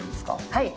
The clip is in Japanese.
はい。